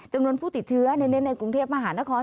จำนวนผู้ติดเชื้อในกรุงเทพระหารเค้า